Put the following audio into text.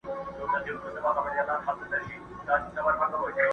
زه به څرنگه دوږخ ته ور روان سم.!